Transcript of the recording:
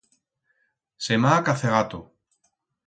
Se m'ha acacegato.